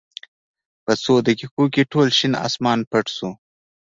په څو دقېقو کې ټول شین اسمان پټ شو.